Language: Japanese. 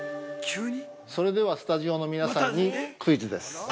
◆それではスタジオの皆さんにクイズです。